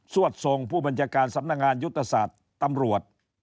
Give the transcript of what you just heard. วดทรงผู้บัญชาการสำนักงานยุทธศาสตร์ตำรวจ